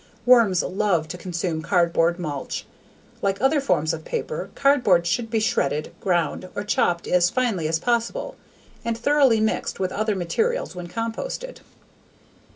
Worms love to consume cardboard mulch. Like other forms of paper, cardboard should be shredded, ground or chopped as finely as possible, and thoroughly mixed with other materials when composted.